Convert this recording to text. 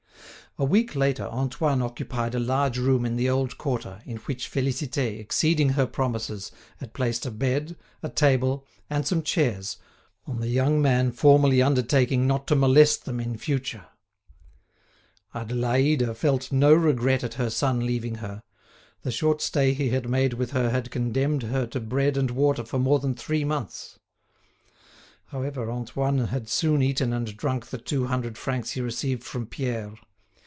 A week later Antoine occupied a large room in the old quarter, in which Félicité, exceeding her promises, had placed a bed, a table, and some chairs, on the young man formally undertaking not to molest them in future. Adélaïde felt no regret at her son leaving her; the short stay he had made with her had condemned her to bread and water for more than three months. However, Antoine had soon eaten and drunk the two hundred francs he received from Pierre.